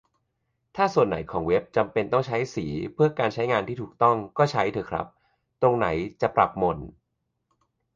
ถ้าส่วนไหนของเว็บจำเป็นต้องใช้สีเพื่อการใช้งานที่ถูกต้อง ก็ใช้เถอะครับ ตรงไหนจะปรับหม่น